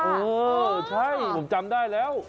เออใช่ผมจำได้แล้ว